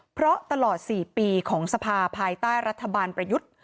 เพราะตลอด๔ปีของสภาภายใต้รัฐบาลประยุทธ์